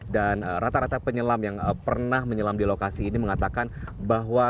dan rata rata penyelam yang pernah menyelam di lokasi ini mengatakan bahwa